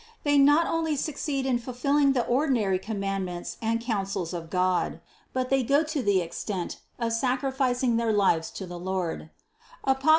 They not only suc ceed in fulfilling the ordinary commandments and coun sels of God, but they go to the extent of sacrificing their lives for the Lord (Apoc.